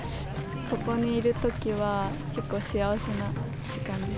ここにいるときは、結構、幸せな時間です。